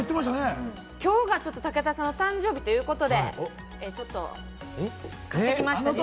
きょうが武田さんの誕生日ということで、ちょっと買ってきました。